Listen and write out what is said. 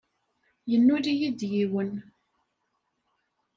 Yennul-iyi-d yiwen.